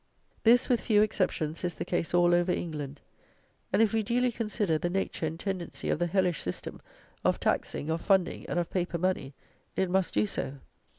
This, with few exceptions, is the case all over England; and, if we duly consider the nature and tendency of the hellish system of taxing, of funding, and of paper money, it must do so.